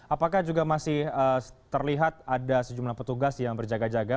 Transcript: apakah juga masih terlihat ada sejumlah petugas yang berjaga jaga